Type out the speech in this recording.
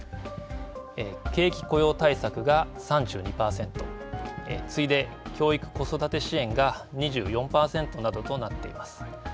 景気雇用対策が３２％、次いで教育子育て支援が２４％などとなっています。